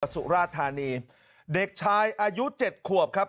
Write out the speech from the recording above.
สุราธานีเด็กชายอายุเจ็ดขวบครับ